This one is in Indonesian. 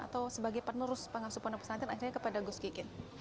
atau sebagai penerus pengasuh pondok pesantren akhirnya kepada gus kikil